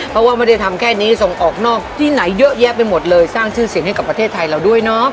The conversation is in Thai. เพราะว่าไม่ได้ทำแค่นี้ส่งออกนอกที่ไหนเยอะแยะไปหมดเลยสร้างชื่อเสียงให้กับประเทศไทยเราด้วยเนาะ